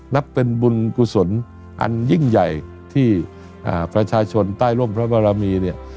นับเป็นบุญกุศลอันยิ่งใหญ่ที่ประชาชนใต้ร่มพระบารมีเนี่ย